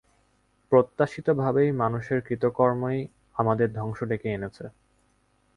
প্রত্যাশিতভাবেই, মানুষের কৃতকর্ম-ই আমাদের ধ্বংস ডেকে এনেছে।